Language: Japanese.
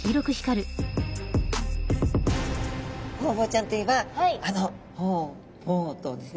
ホウボウちゃんといえばあの「ホーボー」とですね